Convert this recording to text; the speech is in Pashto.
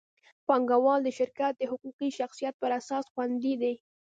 پانګهوال د شرکت د حقوقي شخصیت پر اساس خوندي دي.